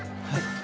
はい。